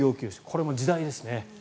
これも時代ですね。